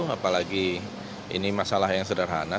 apalagi ini masalah yang sederhana